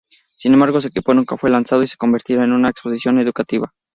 Sin embargo, su equipo nunca fue lanzado y se convertirá en una exposición educativa.